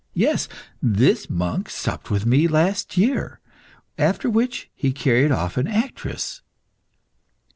Yes, this monk supped with me last year, after which he carried off an actress."